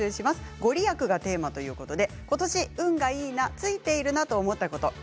御利益がテーマということでことし運がいいなついてるなと思ったこと。